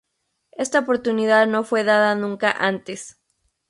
Esta oportunidad no fue dada nunca antes.